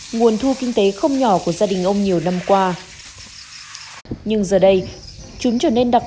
nguồn thu kinh tế không nhỏ của gia đình ông nhiều năm qua nhưng giờ đây chúng trở nên đặc